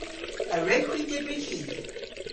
A wrewgh hwi dybri kig?